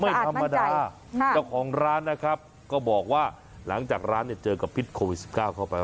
ไม่ธรรมดาเจ้าของร้านนะครับก็บอกว่าหลังจากร้านเนี่ยเจอกับพิษโควิด๑๙เข้าไป